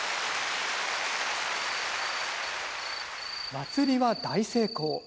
祭りは大成功。